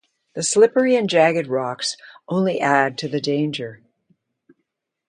The slippery and jagged rocks only add to the danger.